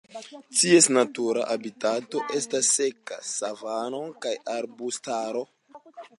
Ties natura habitato estas seka savano kaj arbustaro.